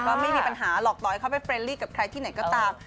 ไม่มีปัญหาหรอกต่อให้เขาไปเรนลี่กับใครที่ไหนก็ตาม